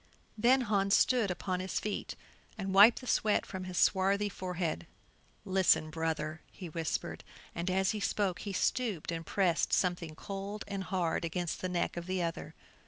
Then Hans stood upon his feet, and wiped the sweat from his swarthy forehead. "Listen, brother," he whispered, and as he spoke he stooped and pressed something cold and hard against the neck of the other.